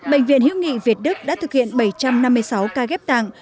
bệnh viện hiếu nghị việt đức đã thực hiện bảy trăm năm mươi sáu ca ghép tạng